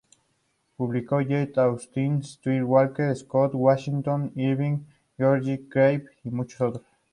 Publicó Jane Austen, Sir Walter Scott, Washington Irving, George Crabbe y muchos otros.